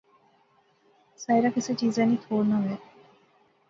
ساحرہ کسے چیزا نی تھوڑ نہ وہے